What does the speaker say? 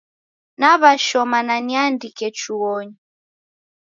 Naw'ashoma na niandike chuonyi.